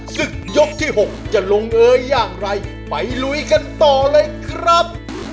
ศึกยกที่๖จะลงเอยอย่างไรไปลุยกันต่อเลยครับ